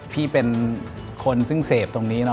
พี่เป็นคนซึ่งเสพตรงนี้เนอ